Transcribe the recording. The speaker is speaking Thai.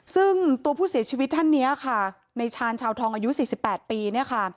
ซึ่งตัวผู้เสียชีวิตท่านนี้ค่ะในชาญชาวทองอายุ๔๘ปีเนี่ยค่ะ